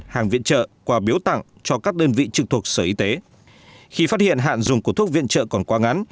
hàng viện trợ quà biếu tặng cho các đơn vị trực thuộc sở y tế khi phát hiện hạn dùng của thuốc viện trợ còn quá ngắn